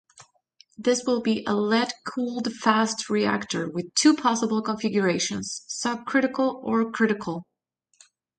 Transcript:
This will be a 'Lead-cooled fast reactor' with two possible configurations: sub-critical or critical.